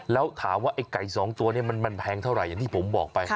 แล้วถามว่าไอ้ไก่๒ตัวนี้มันแพงเท่าไหร่อย่างที่ผมบอกไป